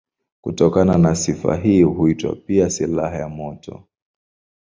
Kutokana na sifa hii huitwa pia silaha ya moto.